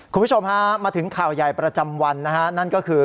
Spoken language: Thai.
คุณผู้ชมฮะมาถึงข่าวใหญ่ประจำวันนะฮะนั่นก็คือ